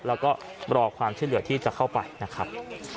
แล้วก็รอความช่วยเหลือที่จะเข้าไปนะครับ